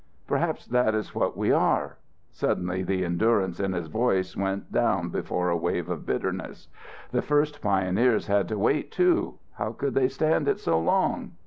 Perhaps that is what we are." Suddenly the endurance in his voice went down before a wave of bitterness. "The first pioneers had to wait, too. How could they stand it so long!"